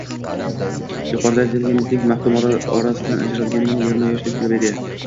Yuqorida aytilganidek, maxdum otasidan ajralganida yigirma yoshlik talaba edi.